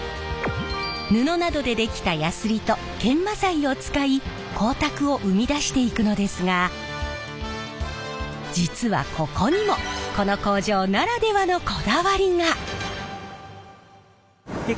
布などで出来たヤスリと研磨剤を使い光沢を生み出していくのですが実はここにもこの工場ならではのこだわりが。